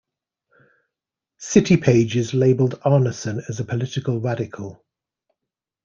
City Pages labelled Arnason as a political radical.